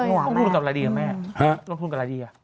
ลงทุนกับอะไรดีอะแม่